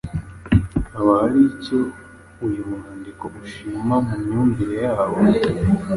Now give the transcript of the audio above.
Haba hari icyo uyu mwandiko ushima mu myumvire y’abo